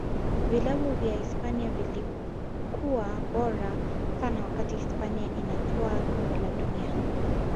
vilabu vya hisipania vilikuwa bora sana wakati hispania inatwaa kombe la dunia